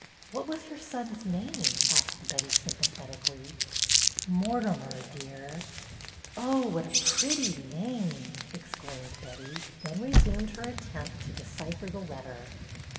" What was your son's name ?" asked Betty, sympathetically. " Mortimer, dear." " Oh, what a pretty name," exclaimed Betty, then re.sumed her attempt to decipher the letter.